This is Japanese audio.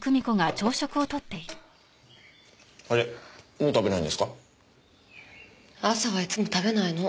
朝はいつも食べないの。